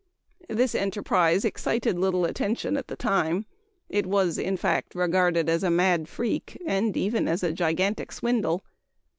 This enterprise excited little attention at the time. It was, in fact, regarded as a "mad freak" and even as a "gigantic swindle."